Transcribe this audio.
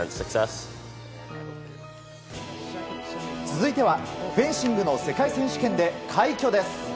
続いてはフェンシングの世界選手権で快挙です。